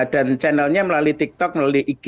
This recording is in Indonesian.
dan channelnya melalui tiktok melalui ig